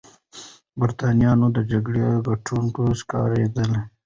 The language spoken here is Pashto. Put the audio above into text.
برتانويان د جګړې ګټونکي ښکارېدل.